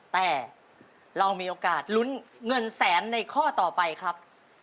แต่เรามีโอกาสลุ้นเงินแสนในข้อต่อไปครับ